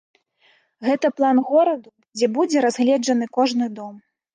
Гэта план гораду, дзе будзе разгледжаны кожны дом.